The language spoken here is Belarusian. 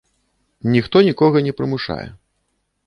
Ніхто нікога не прымушае.